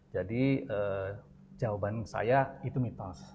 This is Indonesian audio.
jawaban saya itu mitos